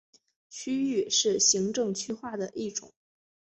区域是行政区划的一种。